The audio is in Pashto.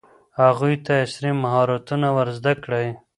هغوی ته عصري مهارتونه ور زده کړئ.